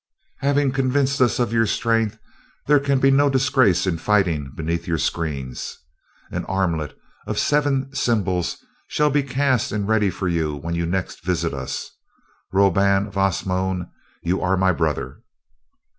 Having convinced us of your strength, there can be no disgrace in fighting beneath your screens. An armlet of seven symbols shall be cast and ready for you when you next visit us. Roban of Osnome, you are my brother."